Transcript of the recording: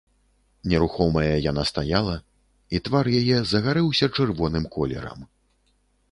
Нерухомая яна стаяла, і твар яе загарэўся чырвоным колерам.